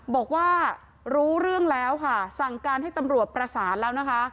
บอกว่ารู้เรื่องแล้วค่ะสั่งการให้ตำรวจประสานแล้วนะคะ